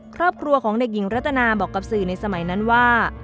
ครอบครัวของเด็กหญิงรัตนาบอกกับสื่อในสมัยนั้นว่า